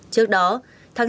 trước đó tháng sáu